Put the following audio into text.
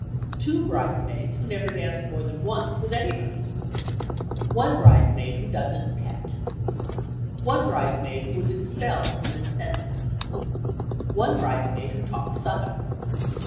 2 Bridesmaids who never danced more than once with anybody. 1 bridesmaid who doesn't "Pet." 1 bridesmaid who was expelled from Miss Spence's. 1 bridesmaid who talks "Southern."